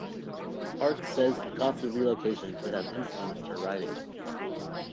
Parks says her constant relocation could have influenced her writing.